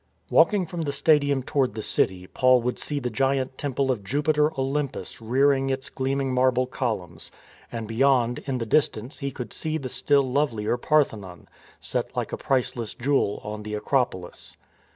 Walking from the Stadium toward the city Paul would see the giant temple of Jupiter Olympus rearing its gleaming marble columns; and beyond in the dis tance he could see the still lovelier Parthenon, set like a priceless jewel on the Acropolis.